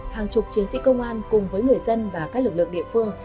hàng chục chiến sĩ công an cùng với người dân và các lực lượng địa phương